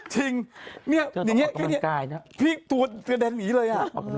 จริงนี้ตัวแดงนี้เลย